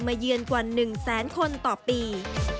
มาเยือนกว่า๑๐๐๐๐๐คนต่อปี